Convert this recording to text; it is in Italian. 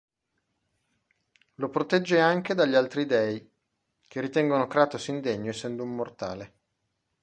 Lo protegge anche dagli altri Dei che ritengono Kratos indegno essendo un mortale.